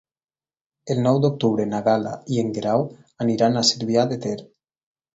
El nou d'octubre na Gal·la i en Guerau aniran a Cervià de Ter.